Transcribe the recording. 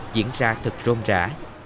diễn ra thật rôn rã